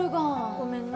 ごめんな。